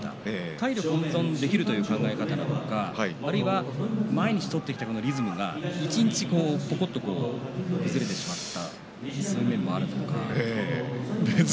体力を温存できるという考え方なのかあるいは毎日取ってきたリズムが一日崩れてしまったそういう面もあるのか。